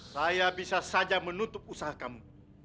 saya bisa saja menutup usaha kamu